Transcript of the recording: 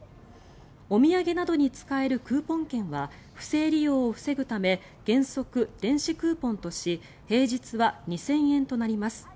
お土産などに使えるクーポン券は不正利用を防ぐため原則、電子クーポンとし平日は２０００円となります。